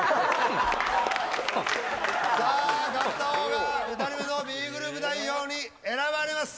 さあ勝った方が２人目のＢグループ代表に選ばれます。